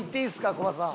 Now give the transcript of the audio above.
コバさん。